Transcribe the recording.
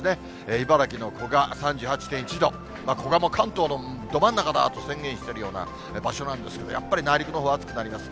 茨城の古河３８．１度、古賀も関東のど真ん中だと宣言しているような場所なんですけれども、やっぱり内陸のほうは暑くなります。